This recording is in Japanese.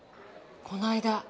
この間。